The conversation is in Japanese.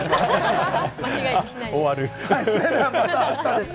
それではまたあしたです。